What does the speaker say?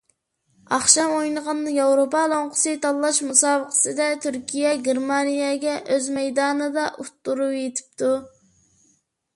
ئاخشام ئوينىغان ياۋروپا لوڭقىسى تاللاش مۇسابىقىسىدە تۈركىيە گېرمانىيەگە ئۆز مەيدانىدا ئۇتتۇرۇۋېتىپتۇ.